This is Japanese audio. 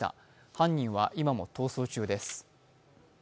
犯人は今も逃走中です。